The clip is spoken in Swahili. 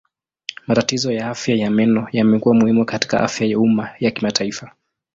Matatizo ya afya ya meno yamekuwa muhimu katika afya ya umma ya kimataifa.